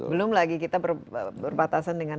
belum lagi kita berbatasan dengan